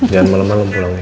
jangan malem malem pulang ya